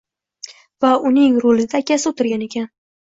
Va uning rulida akasi oʻtirgan ekan.